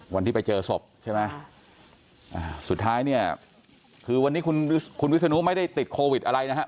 วันที่ไปเจอศพใช่ไหมสุดท้ายเนี่ยคือวันนี้คุณวิศนุไม่ได้ติดโควิดอะไรนะฮะ